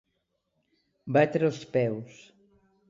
Batre els peus.